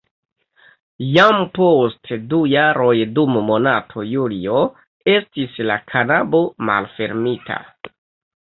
Jam post du jaroj dum monato julio estis la kabano malfermita.